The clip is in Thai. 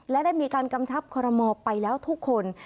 และได้มีการกำชับคอรมอลไปแล้วทุกคน